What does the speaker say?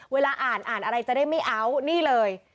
เวลาอ่านอ่านอะไรจะได้ไม่เอานี่เลย